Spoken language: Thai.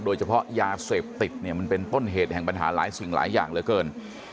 โดยเฉพาะยาเสพติดเนี่ยมันเป็นต้นเหตุแห่งปัญหาหลายสิ่งหลายอย่างเหลือเกิน